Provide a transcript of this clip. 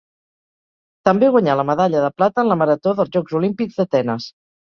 També guanyà la medalla de plata en la marató dels Jocs Olímpics d'Atenes.